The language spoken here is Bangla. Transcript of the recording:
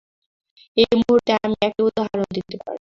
এই মুহূর্তে আমি একটি উদাহরণ দিতে পারি।